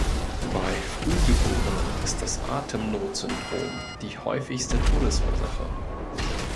Bei Frühgeborenen ist das Atemnotsyndrom die häufigste Todesursache.